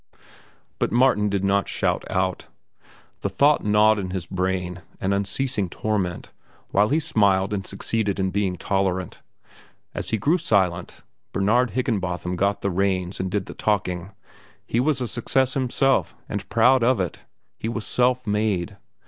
But Martin did not shout out. The thought gnawed in his brain, an unceasing torment, while he smiled and succeeded in being tolerant. As he grew silent, Bernard Higginbotham got the reins and did the talking. He was a success himself, and proud of it. He was self made.